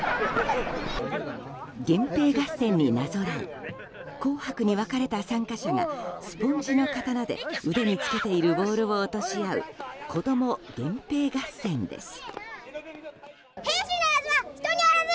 源平合戦になぞらえ紅白に分かれた参加者がスポンジの刀で腕に着けているボールを落とし合う子ども源平合戦です。